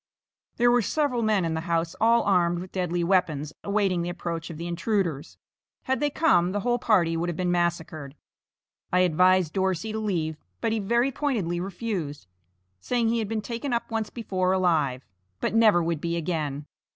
There were several men in the house all armed with deadly weapons, awaiting the approach of the intruders. Had they come the whole party would have been massacred. I advised Dorsey to leave, but he very pointedly refused, saying he had been taken up once before alive, but never would be again.